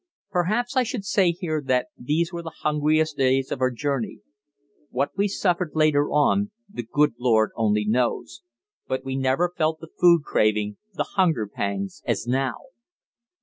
Perhaps I should say here that these were the hungriest days of our journey. What we suffered later on, the good Lord only knows; but we never felt the food craving, the hunger pangs as now.